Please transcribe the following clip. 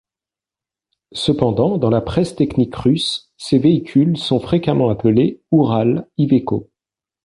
Cependant, dans la presse technique russe, ces véhicules sont fréquemment appelés Ural-Iveco.